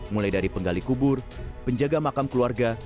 mulai dari penggali kubur penjaga makam keluarga